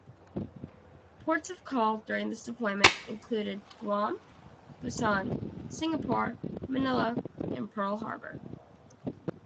Ports of call during this deployment included Guam, Busan, Singapore, Manila and Pearl Harbor.